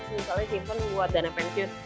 misalnya siven buat dana pensiun